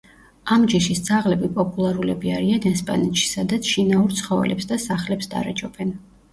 ამ ჯიშის ძაღლები პოპულარულები არიან ესპანეთში, სადაც შინაურ ცხოველებს და სახლებს დარაჯობენ.